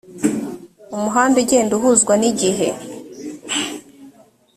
umuhanda ugenda uhuzwa n igihe